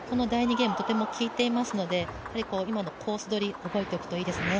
ゲームとても効いていますので今のコース取り、覚えておくといいですね。